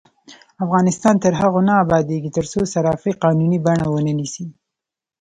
افغانستان تر هغو نه ابادیږي، ترڅو صرافي قانوني بڼه ونه نیسي.